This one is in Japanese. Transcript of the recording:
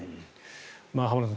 浜田さん